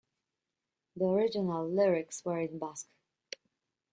The original lyrics were in Basque.